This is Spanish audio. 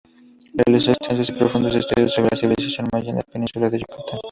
Realizó extensos y profundos estudios sobre la civilización maya en la Península de Yucatán.